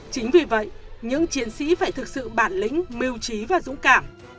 chính vì vậy những chiến sĩ phải thực sự bản lĩnh mưu trí và dũng cảm